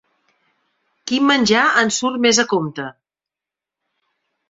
Quin menjar ens surt més a compte?